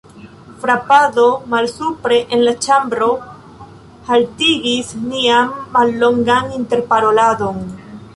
Frapado malsupre en la ĉambro haltigis nian mallongan interparoladon.